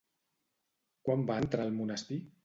Quan va entrar al monestir?